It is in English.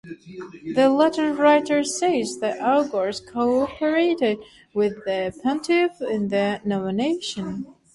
The latter writer says that augurs cooperated with the pontiff in the nomination.